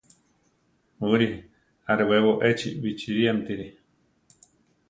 Uri; arewebo echi bichíriamtiri.